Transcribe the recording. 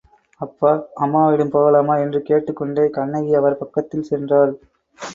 அப்பா, அம்மாவிடம் போகலாமா? என்று கேட்டுக் கொண்டே கண்ணகி அவர் பக்கத்தில் சென்றாள்.